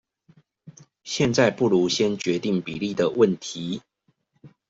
現在不如先決定比例的問題